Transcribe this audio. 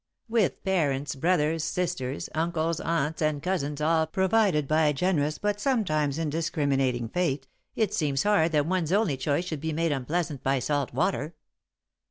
With parents, brothers, sisters, uncles, aunts, and cousins all provided by a generous but sometimes indiscriminating Fate, it seems hard that one's only choice should be made unpleasant by salt water.